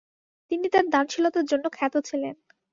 তিনি তার দানশীলতার জন্য খ্যাত ছিলেন।